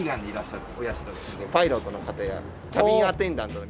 パイロットの方やキャビンアテンダントの皆様が。